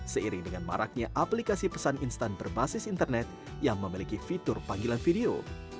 seiring dengan maraknya aplikasi pesan instan berbasis internet yang memiliki fitur panggilan video